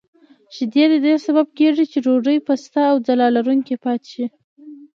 شیدې د دې سبب کېږي چې ډوډۍ پسته او ځلا لرونکې پاتې شي.